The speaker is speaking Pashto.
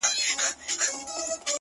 ما ناولونه . ما كيسې .ما فلسفې لوستي دي.